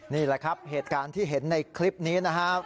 นี่แหละครับเหตุการณ์ที่เห็นในคลิปนี้นะครับ